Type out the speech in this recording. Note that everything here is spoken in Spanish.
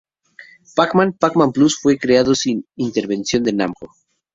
Pac-man, Pac-Man Plus fue creado sin intervención de Namco.